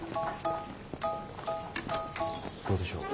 どうでしょう？